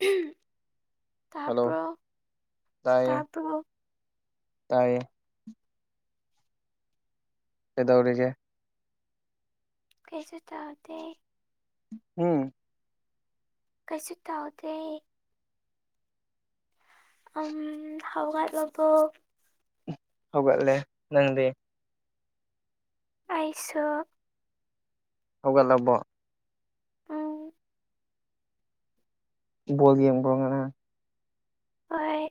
[unintelligible] hello ꯇꯥꯕ꯭ꯔꯣ ꯇꯥꯏꯌꯦ ꯇꯥꯕ꯭ꯔꯣ ꯇꯥꯏꯌꯦ ꯀꯩꯗꯧꯔꯤꯒꯦ ꯀꯩꯁꯨ ꯇꯧꯗꯦ ꯎꯝ ꯀꯩꯁꯨ ꯇꯥꯎꯗꯦ ꯑꯝ ꯍꯧꯒꯠꯂꯕꯣ ꯍꯒꯠꯂꯦ ꯅꯪꯗꯤ ꯑꯩꯁꯨ ꯍꯧꯒꯠꯂꯕꯣ ꯎꯝ ꯕꯣꯜ ꯒꯦꯝꯕ꯭ꯔꯣ ꯉꯥꯔꯥꯡ ꯍꯣꯏ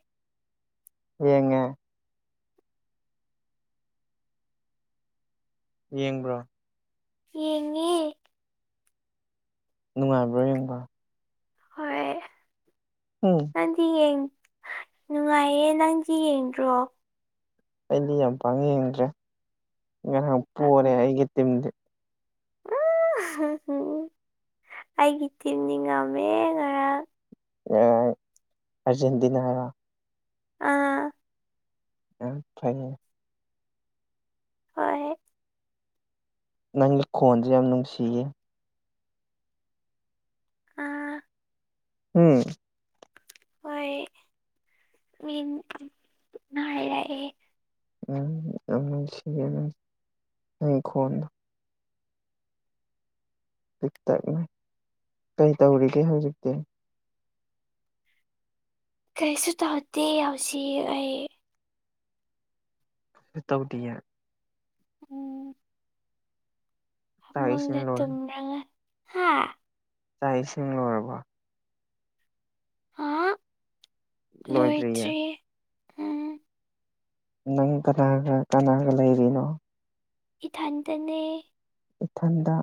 ꯌꯦꯡꯉꯦ ꯌꯦꯡꯕ꯭ꯔꯣ ꯌꯦꯡꯉꯦ ꯅꯨꯡꯉꯥꯏꯕ꯭ꯔꯣ ꯌꯦꯡꯕ ꯍꯣꯏ ꯎꯝ ꯅꯨꯡꯉꯥꯏꯌꯦ ꯅꯪꯗꯤ ꯌꯦꯡꯗ꯭ꯔꯣ ꯑꯩꯗꯤ ꯌꯥꯝ ꯄꯥꯛꯅ ꯌꯦꯡꯗ꯭ꯔꯦ ꯉꯔꯥꯡ ꯎꯝ ꯄꯣꯔꯦ ꯑꯩꯒꯤ ꯇꯤꯝꯗꯤ ꯑꯩꯒꯤ ꯇꯤꯝꯗꯤ ꯉꯝꯃꯦ ꯉꯔꯥꯡ ꯑꯔꯖꯦꯟꯇꯤꯅꯥꯔꯣ ꯑꯥ ꯎꯝ ꯐꯩꯅꯦ ꯍꯣꯏ ꯅꯪꯒꯤ ꯈꯣꯟꯁꯦ ꯌꯥꯝ ꯅꯨꯡꯁꯤꯌꯦ ꯑꯥ ꯎꯝ ꯍꯣꯏ ꯃꯤꯅ ꯍꯥꯏꯔꯛꯑꯦ ꯎꯝ ꯌꯥꯝ ꯅꯨꯡꯁꯤꯌꯦ ꯅꯪꯒꯤ ꯈꯣꯟꯗꯣ ꯄꯤꯛꯇꯛꯅ ꯀꯩ ꯇꯧꯔꯤꯒꯦ ꯍꯧꯖꯤꯛꯇꯤ ꯀꯩꯁꯨ ꯇꯧꯗꯦ ꯍꯧꯖꯤꯛ ꯑꯩ ꯇꯧꯗꯤꯌꯦ ꯎꯝ ꯆꯥꯛ ꯏꯁꯤꯡ ꯐꯃꯨꯡꯗ ꯂꯣꯏꯔꯦ ꯇꯨꯝꯔꯒ ꯍꯥ ꯆꯥꯛ ꯏꯁꯤꯡ ꯂꯣꯏꯔꯕꯣ ꯍꯥ ꯂꯣꯏꯗ꯭ꯔꯤꯌꯦ ꯂꯣꯏꯗ꯭ꯔꯤ ꯎꯝ ꯅꯪ ꯀꯅꯥꯒ ꯀꯅꯥꯒ ꯂꯩꯔꯤꯅꯣ ꯏꯊꯟꯇꯅꯦ ꯏꯊꯟꯗ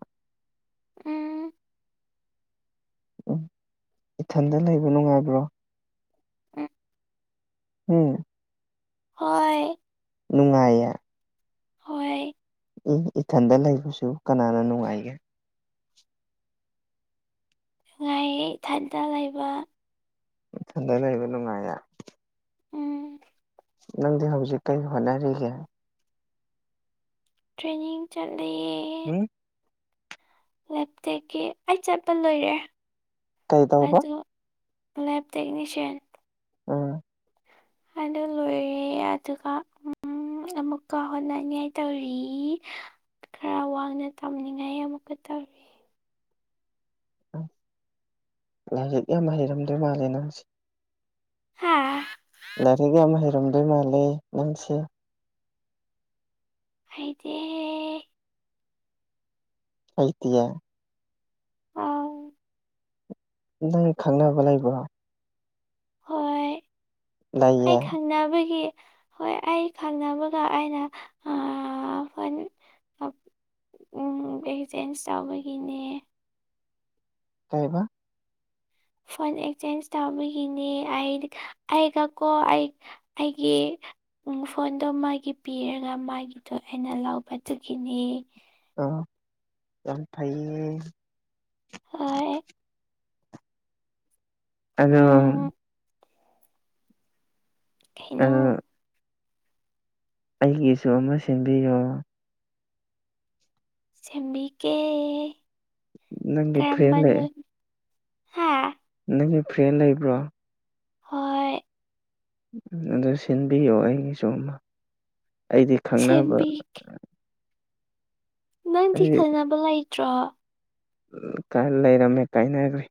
ꯎꯝ ꯎꯝ ꯏꯊꯟꯗ ꯂꯩꯕ ꯅꯨꯡꯉꯥꯏꯕ꯭ꯔꯣ ꯎꯝ ꯍꯨꯝ ꯍꯣꯏ ꯅꯨꯡꯉꯥꯏꯌꯦ ꯍꯣꯏ ꯏꯊꯟꯗ ꯂꯩꯕꯁꯨ ꯀꯅꯥꯅ ꯅꯨꯡꯉꯥꯏꯒꯦ ꯅꯨꯡꯉꯥꯏꯌꯦ ꯏꯊꯟꯇ ꯂꯩꯕ ꯅꯊꯟꯗ ꯂꯩꯕ ꯅꯨꯡꯉꯥꯏꯌꯦ ꯎꯝ ꯅꯪꯗꯤ ꯍꯧꯖꯤꯛ ꯀꯩ ꯍꯣꯠꯅꯔꯤꯒꯦ ꯇ꯭ꯔꯦꯅꯤꯡ ꯆꯠꯂꯤꯌꯦ ꯍꯨꯝ [unintelligible] ꯂꯦꯞꯇꯦꯛꯀꯤ ꯑꯩ ꯆꯠꯄ ꯂꯣꯏꯔꯦ ꯀꯩꯗꯧꯕ ꯑꯗꯣ ꯂꯦꯞ ꯇꯦꯛꯅꯤꯁꯤꯌꯥꯟ ꯎꯝ ꯑꯗꯨ ꯂꯣꯏꯔꯦ ꯑꯗꯨꯒ ꯎꯝ ꯎꯝ ꯑꯃꯨꯛꯀ ꯍꯣꯠꯅꯅꯤꯡꯉꯥꯏ ꯇꯧꯔꯤ ꯈꯔ ꯋꯥꯡꯅ ꯇꯝꯅꯤꯡꯉꯥꯏ ꯑꯃꯨꯛꯀ ꯇꯧꯔꯤ ꯂꯥꯏꯔꯤꯛ ꯌꯥꯝ ꯍꯩꯔꯝꯗꯣꯏ ꯃꯥꯜꯂꯦ ꯅꯪꯁꯦ ꯍꯥꯥ ꯂꯥꯏꯔꯤꯛ ꯌꯥꯝ ꯍꯩꯔꯝꯗꯣꯏ ꯃꯥꯜꯂꯦ ꯅꯪꯁꯦ ꯍꯩꯇꯦꯍꯦ ꯍꯩꯇꯤꯌꯦ ꯑꯧ ꯅꯪ ꯈꯪꯅꯕ ꯂꯩꯕ꯭ꯔꯣ ꯍꯣꯏ ꯑꯩ ꯂꯩꯌꯦ ꯈꯪꯅꯕꯒꯤ ꯍꯣꯏ ꯑꯩ ꯈꯪꯅꯕꯒ ꯑꯩꯅ ꯍꯣꯏ ꯎꯝ ꯚꯦꯛ ꯆꯦꯟꯖ ꯇꯧꯕꯒꯤꯅꯦ ꯀꯩ ꯍꯥꯏꯕ ꯐꯣꯟ ꯑꯦꯛꯆꯦꯟꯖ ꯇꯧꯕꯤꯒꯤꯅꯦ ꯑꯩꯒ ꯀꯣ ꯑꯩ ꯑꯩꯒꯤ ꯎꯝ ꯐꯣꯟꯗꯣ ꯃꯥꯒꯤ ꯄꯤꯔꯒ ꯃꯥꯒꯤꯗꯣ ꯑꯩꯅ ꯂꯧꯕ ꯆꯠꯈꯤꯅꯤ ꯌꯥꯝ ꯐꯩ ꯍꯣꯏ ꯑꯗꯣ ꯎꯝ ꯀꯩꯅꯣ ꯑꯝ ꯑꯩꯒꯤꯁꯨ ꯑꯃ ꯁꯦꯝꯟꯕꯤꯌꯣ ꯁꯦꯝꯕꯤꯀꯦ ꯅꯪꯒꯤ ꯐ꯭ꯔꯦꯟ ꯀꯔꯝꯕ ꯂꯩ ꯍꯥꯥ ꯅꯪꯒꯤ ꯐ꯭ꯔꯦꯟ ꯂꯩꯕ꯭ꯔꯣ ꯍꯣꯏ ꯑꯗꯨ ꯁꯤꯟꯕꯤꯌꯣ ꯑꯩꯒꯤꯁꯨ ꯑꯃ ꯑꯩꯗꯤ ꯈꯪꯅꯕ ꯁꯦꯝꯕꯤ ꯅꯪꯗꯤ ꯑꯩ ꯈꯟꯅꯕ ꯂꯩꯇ꯭ꯔꯣ ꯂꯩꯔꯝꯃꯦ ꯀꯥꯏꯅꯈ꯭ꯔꯦ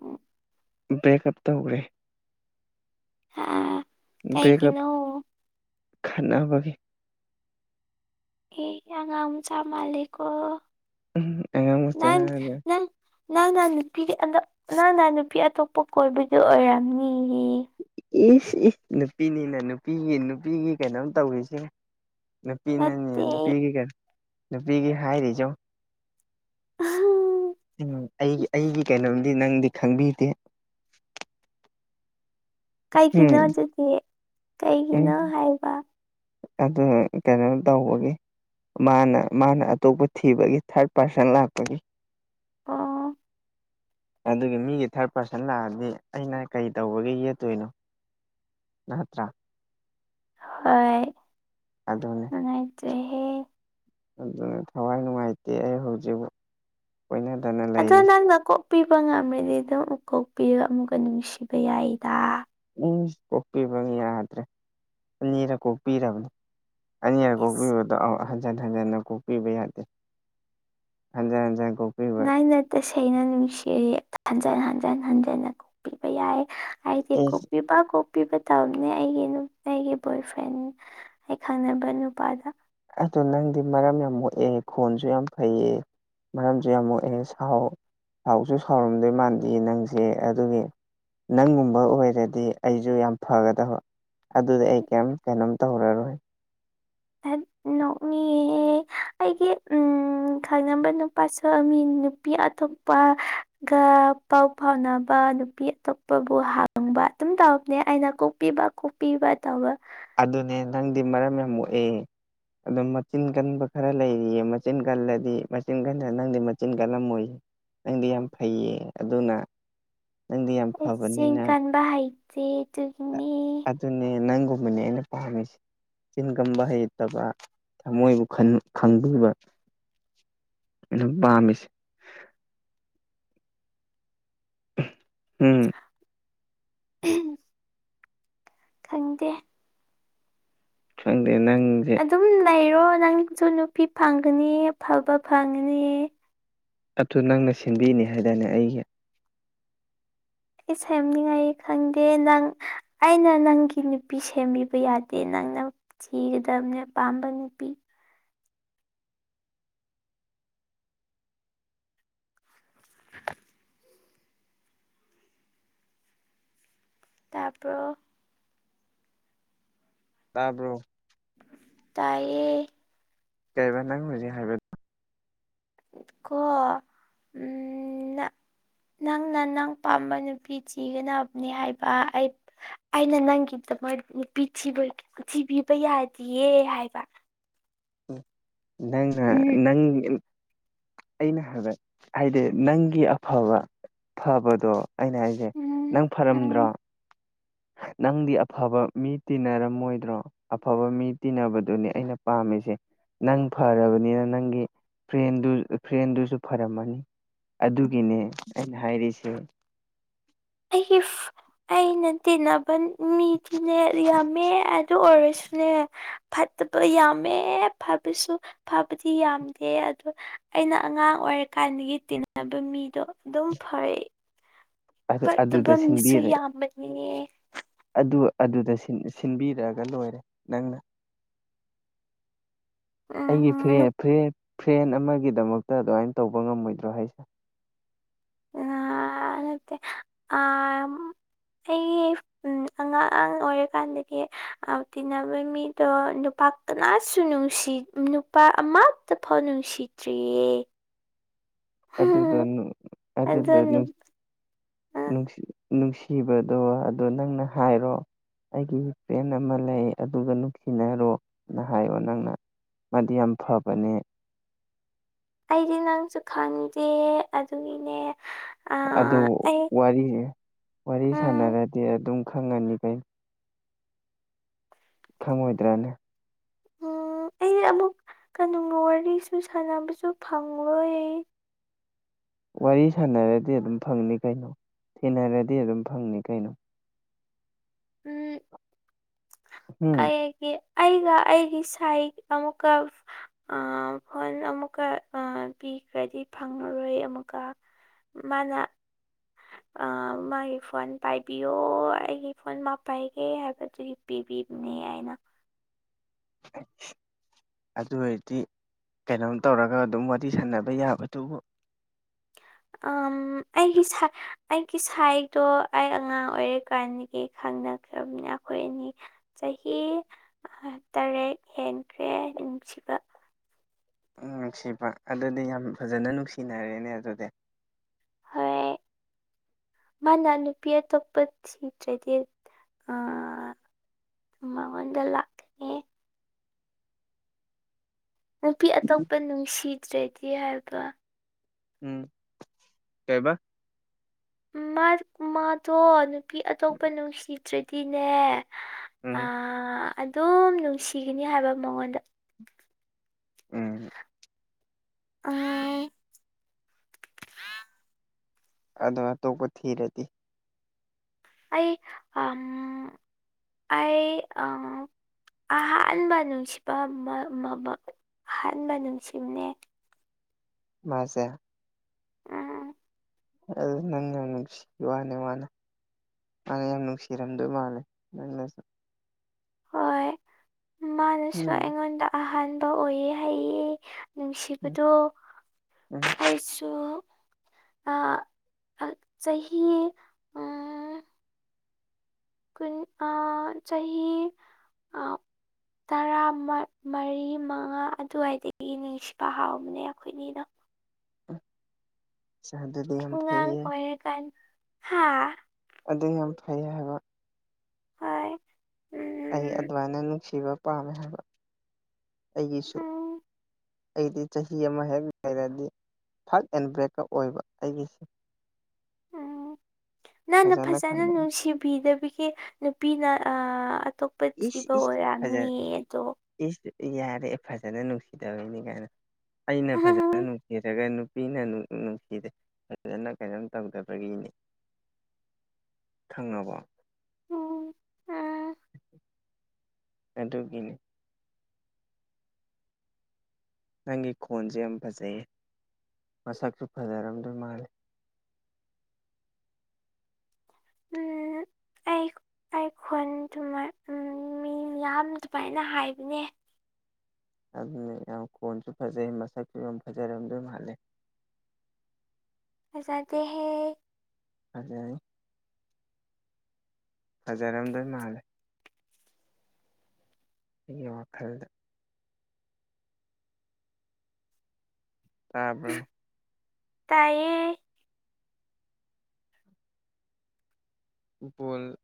ꯎꯝ ꯕ꯭ꯔꯦꯛꯀꯞ ꯇꯧꯈ꯭ꯔꯦ ꯑꯥ ꯕꯔ꯭ꯦꯛꯀꯥꯞ ꯈꯠꯅꯕꯒꯤ ꯑꯥ ꯑꯉꯥꯡ ꯃꯆꯥ ꯃꯟꯂꯤꯀꯣ ꯎꯝ ꯑꯉꯥꯡ ꯃꯆꯥꯒ ꯅꯪꯅ ꯅꯨꯄꯤꯗꯤ ꯑ ꯅꯪꯅ ꯅꯨꯄꯤ ꯑꯇꯣꯞꯄ ꯀꯣꯏꯕꯗꯨ ꯑꯣꯏꯔꯝꯅꯤꯌꯦ ꯏꯁ ꯑꯦ ꯅꯨꯄꯤꯅꯤꯅ ꯅꯨꯄꯤꯒꯤ ꯅꯨꯄꯤꯒꯤ ꯀꯩꯅꯣꯝ ꯇꯧꯔꯤꯁꯦ ꯅꯨꯄꯤꯅꯅꯦ ꯅꯠꯇꯦ ꯅꯨꯄꯤꯒꯤ ꯅꯨꯄꯤꯒꯤ ꯍꯥꯏꯔꯤꯖ ꯎꯝ ꯑꯩꯒꯤ ꯑꯩꯒꯤ ꯀꯩꯅꯣꯝꯗꯤ ꯅꯪꯗꯤ ꯈꯪꯕꯤꯗꯦ ꯀꯩꯒꯤꯅꯣ ꯎꯝ ꯑꯗꯨꯗꯤ ꯎꯝ ꯀꯩꯒꯤꯅꯣ ꯍꯥꯏꯕ ꯑꯗꯨ ꯀꯩꯅꯣ ꯇꯧꯕꯒꯤ ꯃꯥꯅ ꯃꯥꯅ ꯑꯇꯣꯞꯄ ꯊꯤꯕꯒꯤ ꯊꯥꯔꯠ ꯄꯥꯔꯁꯟ ꯂꯥꯛꯄꯒꯤ ꯑꯣ ꯑꯗꯨꯒꯤ ꯃꯤꯒꯤ ꯊꯥꯔꯠ ꯄꯥꯔꯁꯟ ꯂꯥꯛꯑꯗꯤ ꯑꯩꯅ ꯀꯩꯇꯧꯕꯒꯤ ꯌꯦꯠꯇꯣꯏꯅꯣ ꯅꯠꯇ꯭ꯔꯥ ꯍꯣꯏ ꯑꯗꯨꯅꯤ ꯅꯨꯡꯉꯥꯏꯇꯦ ꯍꯦ ꯑꯗꯨꯅ ꯊꯋꯥꯏ ꯅꯨꯡꯉꯥꯏꯇꯦ ꯑꯩ ꯍꯧꯖꯤꯛꯕꯧ ꯀꯣꯏꯗꯅ ꯑꯗꯣ ꯅꯪꯅ ꯀꯣꯛꯄꯤꯕ ꯉꯝꯔꯗꯤ ꯑꯗꯨ ꯑꯃꯨꯛ ꯀꯣꯛꯄꯤꯔꯒ ꯑꯃꯨꯛꯀ ꯅꯨꯡꯁꯤꯕ ꯌꯥꯏꯗ ꯎꯝ ꯀꯣꯛꯄꯤꯕ ꯌꯥꯗ꯭ꯔꯦ ꯑꯅꯤꯔꯛ ꯀꯣꯛꯄꯤꯔꯕꯅꯤ ꯑꯅꯤꯔꯛ ꯏꯁ ꯀꯣꯛꯄꯤꯕꯗꯣ ꯍꯟꯖꯟ ꯍꯟꯖꯟꯅ ꯀꯣꯛꯄꯤꯕ ꯌꯥꯗꯦ ꯍꯟꯖꯟ ꯍꯟꯖꯟ ꯅꯥꯥꯏꯅ ꯇꯁꯦꯡꯅ ꯅꯨꯡꯁꯤ ꯍꯟꯖꯤꯟ ꯍꯟꯖꯤꯟ ꯍꯟꯖꯤꯟꯅ ꯀꯣꯛꯄꯤꯕ ꯌꯥꯏ ꯍꯥꯏꯗꯤ ꯑꯦꯁ ꯀꯣꯛꯄꯤꯕ ꯄꯤꯕ ꯇꯕꯅꯦ ꯑꯩꯒꯤ ꯑꯩꯒꯤ ꯕꯣꯏ ꯐ꯭ꯔꯦꯟ ꯑꯩ ꯈꯪꯅꯕ ꯅꯨꯄꯥꯗ ꯑꯗꯨꯗ ꯅꯪꯗꯤ ꯃꯔꯝ ꯌꯥꯝ ꯃꯣꯛꯑꯦ ꯈꯣꯟꯁꯨ ꯌꯥꯝ ꯐꯩꯌꯦ ꯃꯔꯝꯁꯨ ꯌꯥꯝꯅ ꯃꯣꯛꯑꯦ ꯁꯥꯎ ꯁꯥꯎꯁꯨ ꯁꯥꯎꯔꯝꯗꯣꯏ ꯃꯥꯟꯗꯦ ꯅꯪꯁꯦ ꯑꯗꯨꯒꯤ ꯅꯪꯒꯨꯝꯕ ꯑꯣꯏꯔꯗꯤ ꯑꯩꯖꯨ ꯌꯥꯝ ꯐꯒꯗꯕ ꯑꯗꯨꯗꯤ ꯑꯩ ꯀꯔꯤꯝ ꯀꯩꯅꯣꯝ ꯇꯧꯔꯔꯣꯏ ꯗꯠ ꯅꯣꯛꯅꯤꯉꯦ ꯍꯦ ꯑꯩꯒꯤ ꯎꯝ ꯎꯝ ꯈꯪꯅꯕ ꯅꯨꯄꯥꯁꯨ ꯃꯤ ꯅꯨꯄꯤ ꯑꯇꯣꯞꯄ ꯒ ꯄꯥꯎ ꯐꯥꯎꯅꯕ ꯅꯨꯄꯤ ꯑꯇꯣꯞꯄꯕꯨ ꯍꯥꯟꯕ ꯑꯗꯨꯝ ꯇꯧꯕꯅꯦ ꯑꯩꯅ ꯀꯣꯛꯄꯤꯕ ꯀꯣꯛ ꯄꯤꯕ ꯇꯧꯔꯣ ꯑꯗꯨꯅꯦ ꯅꯪꯗꯤ ꯃꯔꯝ ꯌꯥꯝ ꯃꯣꯛꯑꯦ ꯑꯗꯨ ꯃꯆꯤꯟ ꯀꯟꯕ ꯈꯔꯥ ꯂꯩꯔꯤꯌꯦ ꯃꯆꯤꯟ ꯀꯜꯂꯗꯤ ꯃꯆꯤꯟ ꯀꯟꯗ ꯅꯪꯗꯤ ꯃꯆꯤꯟ ꯀꯜꯂꯝꯃꯣꯏꯌꯦ ꯅꯪꯗꯤ ꯌꯥꯝ ꯐꯩꯌꯦ ꯑꯗꯨꯅ ꯅꯪꯗꯤ ꯌꯥꯝ ꯑꯩ ꯆꯦꯡ ꯐꯕꯅꯤꯅ ꯀꯟꯕ ꯍꯩꯇꯦ ꯑꯗꯨꯒꯤꯅꯤ ꯑꯗꯨꯅꯦ ꯅꯪꯒꯝꯕꯅꯦ ꯑꯩꯅ ꯄꯥꯝꯃꯤꯁꯤ ꯆꯤꯟ ꯀꯝꯕ ꯍꯩꯇꯕ ꯊꯃꯣꯏꯕꯨ ꯈꯟ ꯈꯪꯕꯤꯕ ꯑꯗꯨ ꯄꯥꯝꯃꯤꯁꯦ ꯎꯝ ꯎꯍꯝ ꯈꯪꯗꯦ ꯐꯪꯗꯦ ꯅꯪꯖꯦ ꯑꯗꯨꯝ ꯂꯩꯔꯣ ꯅꯪꯁꯨ ꯅꯨꯄꯤ ꯐꯪꯒꯅꯤꯌꯦ ꯑꯐꯕ ꯐꯪꯒꯅꯤꯌꯦ ꯑꯗꯨ ꯅꯪꯅ ꯁꯤꯟꯕꯤꯅꯤ ꯍꯥꯏꯗꯥꯏꯅꯦ ꯑꯩꯒꯤ ꯑꯩ ꯁꯩꯅꯤꯡꯉꯥꯏ ꯈꯪꯗꯦ ꯅꯪ ꯑꯩꯅ ꯅꯪꯒꯤ ꯅꯨꯄꯤ ꯁꯦꯝꯕꯤꯕ ꯌꯥꯗꯦ ꯅꯪꯅ ꯊꯤꯒꯗꯞꯅꯦ ꯄꯥꯝꯕ ꯅꯨꯄꯤ [unintelligible] ꯇꯥꯄꯔꯣ ꯇꯥꯕꯔꯣ ꯇꯥꯏꯌꯦ ꯀꯩ ꯍꯥꯏꯕ ꯅꯪꯅ ꯍꯧꯖꯤꯛ ꯍꯥꯏꯕ ꯀꯣ ꯎꯆ ꯅꯪꯅ ꯅꯪ ꯄꯥꯝꯕ ꯅꯨꯄꯤ ꯊꯤꯒꯗꯕꯅꯤ ꯍꯥꯏꯕ ꯑꯩ ꯑꯩꯅ ꯅꯪꯒꯤꯗꯃꯛ ꯅꯨꯄꯤ ꯊꯤꯕ ꯊꯤꯕꯤꯕ ꯌꯥꯗꯤꯌꯦ ꯍꯥꯏꯕ ꯅꯪꯅ ꯎꯝ ꯅꯪ ꯑꯩꯅ ꯍꯥꯏꯕ ꯍꯥꯏꯗꯤ ꯅꯪꯒꯤ ꯑꯐꯕ ꯐꯕꯗꯣ ꯑꯩꯅ ꯍꯥꯏꯁꯦ ꯎꯝ ꯅꯪ ꯎꯝ ꯐꯔꯝꯗ꯭ꯔꯣ ꯅꯪꯗꯤ ꯑꯐꯕ ꯃꯤ ꯇꯤꯟꯅꯔꯝꯃꯣꯏꯗ꯭ꯔꯣ ꯑꯐꯕ ꯃꯤ ꯇꯤꯟꯅꯕꯗꯨꯅꯤ ꯑꯩꯅ ꯄꯥꯝꯃꯤꯁꯦ ꯅꯪ ꯐꯔꯕꯅꯤꯅ ꯅꯪꯒꯤ ꯐ꯭ꯔꯦꯟꯗꯨ ꯐ꯭ꯔꯦꯟꯗꯨꯁꯨ ꯐꯔꯝꯃꯅꯤ ꯑꯗꯨꯒꯤꯅꯦ ꯑꯩꯅ ꯍꯥꯏꯔꯤꯁꯦ ꯑꯩꯒꯤ ꯑꯩꯅ ꯇꯤꯟꯅꯕ ꯃꯤꯗꯤꯅꯦ ꯌꯥꯝꯃꯦ ꯑꯗꯨ ꯑꯣꯏꯔꯁꯨꯅꯦ ꯐꯠꯇꯕ ꯌꯥꯝꯃꯦ ꯐꯕꯁꯨ ꯐꯕꯗꯤ ꯌꯥꯝꯗꯦ ꯑꯗꯨ ꯑꯩꯅ ꯑꯉꯥꯡ ꯑꯣꯏꯔꯤꯀꯥꯟꯗꯒꯤ ꯇꯤꯟꯅꯕ ꯃꯤꯗꯣ ꯑꯗꯨꯝ ꯐꯔꯦ ꯐꯠꯇꯕꯥ ꯑꯗꯨꯗ ꯃꯤꯁꯨ ꯁꯤꯟꯕꯤꯔꯦ ꯌꯥꯝꯕꯅꯦ ꯑꯗꯨ ꯑꯗꯨꯗ ꯁꯤꯟꯕꯤꯔꯛꯑꯒ ꯂꯣꯏꯔꯦ ꯅꯪꯅ ꯑꯩꯒꯤ ꯎꯝ ꯐꯔꯦ ꯐꯔꯦ ꯐ꯭ꯔꯦꯟ ꯑꯃꯒꯤꯗꯃꯛꯇ ꯑꯗꯨꯋꯥꯏ ꯇꯧꯕ ꯉꯝꯃꯣꯏꯗ꯭ꯔꯥ ꯍꯥꯏꯁꯦ ꯅꯍꯥꯟ ꯑꯥꯝ ꯎꯝ ꯑꯩ ꯑꯉꯥꯡ ꯑꯉꯥꯡ ꯑꯣꯏꯔꯤꯀꯥꯟꯗꯒꯤ ꯇꯤꯟꯅꯕ ꯃꯤꯗꯣ ꯅꯨꯄꯥꯛ ꯀꯅꯥꯁꯨ ꯅꯨꯡꯁꯤ ꯅꯨꯄꯥ ꯑꯃꯥꯠꯇ ꯐꯥꯎ ꯅꯨꯡꯁꯤꯗ꯭ꯔꯤꯌꯦ ꯑꯗꯨꯗ ꯅꯨ ꯑꯗꯨꯗ ꯅꯨꯞ ꯑ ꯅꯨꯡꯁꯤ ꯅꯨꯡꯁꯤꯕꯗꯣ ꯑꯗꯣ ꯅꯪꯅ ꯍꯥꯏꯔꯣ ꯑꯩꯒꯤ ꯐ꯭ꯔꯦꯟ ꯑꯃ ꯂꯩ ꯑꯗꯨꯒ ꯅꯨꯡꯁꯤꯅꯔꯣꯅ ꯍꯥꯏꯔꯣ ꯅꯪꯅ ꯃꯥꯗꯤ ꯌꯥꯝ ꯐꯕꯅꯦ ꯑꯩꯗꯤ ꯅꯪꯁꯨ ꯈꯪꯗꯦ ꯑꯗꯨꯒꯤꯅꯦ ꯑ ꯑꯗꯨ ꯑꯩ ꯋꯥꯔꯤ ꯅꯦ ꯋꯥꯔꯤ ꯎꯝ ꯁꯥꯟꯅꯔꯗꯤ ꯑꯗꯨꯝ ꯈꯪꯉꯅꯤ ꯀꯩꯅ ꯈꯪꯉꯣꯏꯗ꯭ꯔꯅꯦ ꯎꯝ ꯑꯩꯅꯥ ꯑꯃꯨꯛ ꯀꯩꯅꯅꯨꯡꯅꯨꯡ ꯋꯥꯔꯤꯁꯨ ꯁꯥꯟꯅꯕꯁꯨ ꯐꯪꯂꯣꯏ ꯋꯥꯔꯤ ꯁꯥꯟꯅꯔꯗꯤ ꯑꯗꯨꯝ ꯐꯪꯅꯤ ꯀꯩꯅꯣ ꯊꯦꯡꯅꯔꯗꯤ ꯑꯗꯨꯝ ꯐꯪꯅꯤ ꯀꯩꯅꯣ ꯎꯝ ꯎꯝ ꯑꯩꯒꯤ ꯑꯩꯅꯥ ꯑꯩꯒꯤ ꯁꯥꯏ ꯑꯃꯨꯛꯀ ꯐꯣꯟ ꯑꯃꯨꯛꯀ ꯄꯤꯈ꯭ꯔꯗꯤ ꯐꯪꯉꯔꯣꯏ ꯑꯃꯨꯛꯀ ꯃꯥꯅ ꯃꯥꯒꯤ ꯐꯣꯟ ꯄꯥꯏꯕꯤꯌꯣ ꯑꯩꯒꯤ ꯐꯣꯟ ꯃꯥ ꯄꯥꯏꯒꯦ ꯍꯥꯏꯕꯗꯨꯒꯤ ꯄꯤꯕꯤ ꯅꯦ ꯍꯥꯏꯅ [inaudible] ꯑꯗꯨ ꯑꯣꯏꯔꯗꯤ ꯀꯩꯅꯣꯝ ꯇꯧꯔꯒ ꯑꯗꯨꯝ ꯋꯥꯔꯤ ꯁꯥꯟꯅꯕ ꯌꯥꯕ ꯗꯨꯕꯨ ꯎꯝ ꯑꯩꯒꯤ ꯁꯥꯏ ꯑꯩꯒꯤ ꯁꯥꯏꯗꯣ ꯑꯩ ꯑꯉꯥꯡ ꯑꯣꯏꯔꯤ ꯀꯥꯟꯗꯒꯤ ꯈꯪꯅꯈ꯭ꯔꯕꯅꯤ ꯑꯩꯈꯣꯏ ꯑꯅꯤ ꯆꯍꯤ ꯇꯔꯦꯠ ꯍꯦꯟꯈ꯭ꯔꯦ ꯅꯨꯡꯁꯤꯕ ꯎꯝ ꯅꯨꯡꯁꯤꯕ ꯑꯗꯨꯗꯤ ꯌꯥꯝ ꯐꯖꯅ ꯅꯨꯡꯁꯤꯅꯔꯦꯅꯦ ꯑꯗꯨꯗꯤ ꯍꯣꯏ ꯃꯥꯅ ꯅꯨꯄꯤ ꯑꯇꯣꯞꯄ ꯊꯤꯗ꯭ꯔꯗꯤ ꯃꯉꯣꯟꯗ ꯂꯥꯛꯀꯅꯤ ꯅꯨꯄꯤ ꯑꯇꯣꯞꯄ ꯅꯨꯡꯁꯤꯗ꯭ꯔꯗꯤ ꯍꯥꯏꯕ ꯎꯝ ꯀꯩꯕ ꯃꯥ ꯃꯥꯗꯣ ꯅꯨꯄꯤ ꯑꯇꯣꯞꯄ ꯅꯨꯡꯁꯤꯗ꯭ꯔꯗꯤꯅꯦ ꯑ ꯎꯝ ꯑꯗꯨꯝ ꯅꯨꯡꯁꯤꯒꯅꯤ ꯍꯥꯏꯕ ꯃꯉꯣꯟꯗ ꯎꯝ ꯑ ꯑꯗꯨ ꯑꯇꯣꯞꯄ ꯊꯤꯔꯗꯤ ꯑꯩ ꯎꯝ ꯑꯩ ꯎꯝ ꯑꯍꯥꯟꯕ ꯅꯨꯡꯁꯤꯕ ꯑꯍꯥꯟꯕ ꯅꯨꯡꯁꯤꯕꯅꯦ ꯃꯥꯁꯦ ꯎꯝ ꯑ ꯅꯅꯦꯁꯤ ꯋꯥꯅꯦ ꯋꯥꯅꯦ ꯃꯥꯅ ꯌꯥꯝ ꯅꯨꯡꯁꯤꯔꯝꯗꯣꯏ ꯃꯥꯜꯂꯦ ꯅꯪꯅꯁꯨ ꯍꯣꯏ ꯃꯥꯅꯁꯨ ꯎꯝ ꯑꯩꯉꯣꯟꯗ ꯑꯍꯥꯟꯕ ꯑꯣꯏꯌꯦ ꯍꯥꯏꯌꯦ ꯎꯝ ꯅꯨꯡꯁꯤꯕꯗꯣ ꯎꯝ ꯑꯩꯁꯨ ꯆꯍꯤ ꯑꯪ ꯀꯨꯟ ꯑ ꯆꯍꯤ ꯑ ꯇꯔꯥ ꯃꯔꯤ ꯃꯉꯥ ꯑꯗꯨꯋꯥꯏꯗꯒꯤ ꯅꯨꯡꯁꯤꯕ ꯍꯥꯎꯕꯅꯦ ꯑꯩꯈꯣꯏꯅꯤꯅ ꯎ ꯁꯗ ꯑꯗꯨ ꯎꯉꯥꯡ ꯑꯣꯏꯔꯤꯀꯥꯟ ꯍꯥ ꯑꯗꯨ ꯌꯥꯝ ꯐꯩ ꯍꯥꯏꯕ ꯍꯣꯏ ꯎꯝ ꯑꯩ ꯑꯗꯨꯃꯥꯏꯅ ꯅꯨꯡꯁꯤꯕ ꯄꯥꯝꯃꯦ ꯍꯥꯏꯕ ꯑꯩꯒꯤꯁꯨ ꯎꯝ ꯑꯩꯗꯤ ꯆꯍꯤ ꯑꯃ ꯍꯦꯛ ꯂꯩꯔꯗꯤ ꯐꯠ ꯑꯦꯟ ꯕ꯭ꯔꯦꯛꯀꯞ ꯑꯣꯏꯕ ꯑꯩꯒꯤꯁꯤ ꯎꯝ ꯅꯪꯅ ꯐꯖꯅ ꯅꯨꯡꯁꯤꯕꯤꯗꯕꯒꯤ ꯅꯨꯄꯤꯅ ꯑ ꯑꯇꯣꯞ ꯏꯁ [unintelligible] ꯏꯁ ꯐꯖ ꯑꯣꯏꯔꯝꯅꯤ ꯑꯗꯣ ꯏꯁ ꯌꯥꯔꯦ ꯐꯖꯅ ꯅꯨꯡꯁꯤꯗꯕꯩꯅꯤ ꯀꯥꯏꯅ ꯑꯩꯅ ꯐꯖꯅ ꯎꯝ ꯅꯨꯡꯁꯤꯔꯒ ꯅꯨꯄꯤꯅ ꯅꯨꯡꯁꯤꯗꯦ ꯐꯖꯅ ꯀꯩꯅꯣꯝ ꯇꯧꯗꯕꯒꯤꯅꯤ ꯈꯪꯉꯕꯣ ꯎꯝ ꯑ ꯑꯗꯨ ꯑꯗꯨꯒꯤꯅꯤ ꯅꯪꯒꯤ ꯈꯣꯟꯁꯦ ꯌꯥꯝ ꯐꯖꯩꯌꯦ ꯃꯁꯛꯁꯨ ꯐꯖꯔꯝꯗꯣꯏ ꯃꯥꯜꯂꯦ ꯎꯝ ꯑꯩ ꯑꯩ ꯈꯣꯜ ꯇꯨ ꯎ ꯃꯤ ꯌꯥꯝ ꯑꯗꯨꯃꯥꯏꯅ ꯍꯥꯏꯕꯅꯦ ꯑꯗꯨꯅ ꯌꯥꯝ ꯀꯣꯟꯁꯨ ꯐꯖꯩ ꯃꯁꯛꯁꯨ ꯌꯥꯝ ꯐꯖꯔꯝꯗ ꯍꯥꯜꯂꯦ ꯑꯖꯗꯦꯍꯦ [unintelligible] ꯍꯖꯔꯝꯗꯣ ꯃꯥꯂꯦ ꯑꯩꯒꯤ ꯋꯥꯈꯜꯗ ꯇꯥꯔꯕ꯭ꯔ ꯇꯥꯏꯌꯦ ꯕꯣꯜ